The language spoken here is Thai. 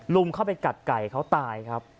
ลุมเข้าไปกัดไก่เขาตายครับ